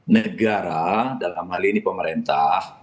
negara dalam hal ini pemerintah